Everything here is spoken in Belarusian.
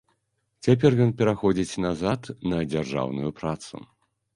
Цяпер ён пераходзіць назад на дзяржаўную працу.